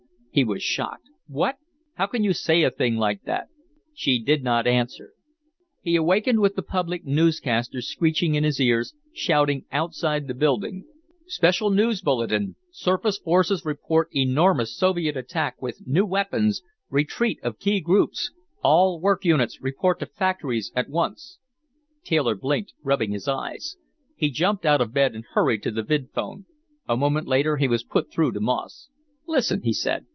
He was shocked. "What? How can you say a thing like that?" She did not answer. He awakened with the public newscaster screeching in his ears, shouting outside the building. "Special news bulletin! Surface forces report enormous Soviet attack with new weapons! Retreat of key groups! All work units report to factories at once!" Taylor blinked, rubbing his eyes. He jumped out of bed and hurried to the vidphone. A moment later he was put through to Moss. "Listen," he said.